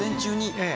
ええ。